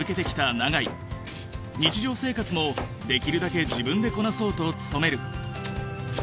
日常生活もできるだけ自分でこなそうと努める。